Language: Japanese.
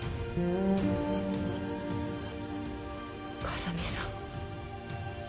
風見さん。